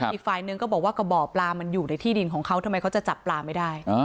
อีกฝ่ายหนึ่งก็บอกว่ากระบ่อปลามันอยู่ในที่ดินของเขาทำไมเขาจะจับปลาไม่ได้